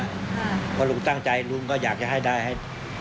คุณสิหรือลูกตั้งใจลูกก็อยากให้ได้